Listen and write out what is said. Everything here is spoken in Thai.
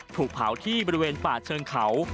ถูกเผาที่บริเวณป่าเชิงเขา